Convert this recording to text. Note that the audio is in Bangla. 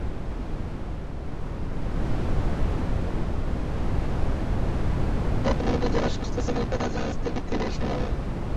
তাদের মধ্যে যারা সুস্থ ছিলেন তারা জাহাজ থেকে তীরে এসে নামেন।